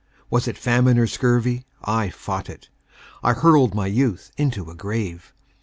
Was it famine or scurvy I fought it; I hurled my youth into a grave.